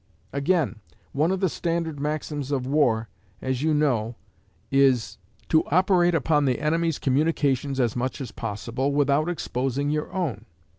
Again, one of the standard maxims of war, as you know, is, "to operate upon the enemy's communications as much as possible, without exposing your own."